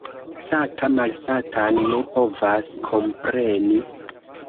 Sata malsatan ne povas kompreni.